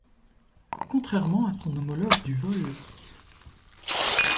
Contrairement à son homologue du vol.